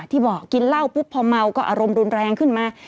บอกกินเหล้าปุ๊บพอเมาก็อารมณ์รุนแรงขึ้นมา